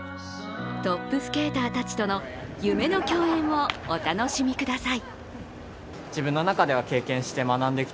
トップスケーターたちとの夢の共演をお楽しみください。